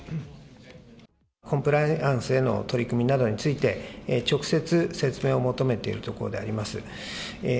コンプライアンスへの取り組みなどについて、直接説明を求めているところであります。